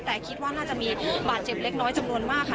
แต่คิดว่าน่าจะมีบาดเจ็บเล็กน้อยจำนวนมากค่ะ